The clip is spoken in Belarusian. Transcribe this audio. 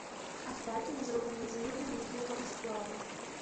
Астатнія зроблены з медна-нікелевага сплаву.